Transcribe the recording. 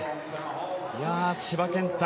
千葉健太